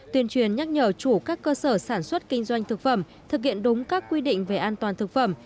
tuyên truyền nhắc nhở chủ các cơ sở sản xuất kinh doanh thực phẩm thực hiện đúng các quy định về an toàn thực phẩm